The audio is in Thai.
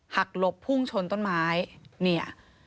หักหลบพุ่งชนต้นไม้